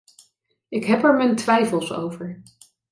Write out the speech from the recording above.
Ik heb er mijn twijfels over.